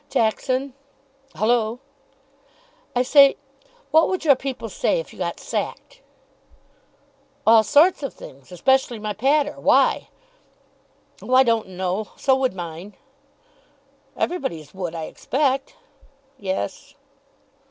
"Jackson." "Hullo?" "I say, what would your people say if you got sacked?" "All sorts of things. Especially my pater. Why?" "Oh, I don't know. So would mine." "Everybody's would, I expect." "Yes."